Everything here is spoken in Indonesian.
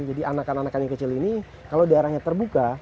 jadi anak anak yang kecil ini kalau daerahnya terbuka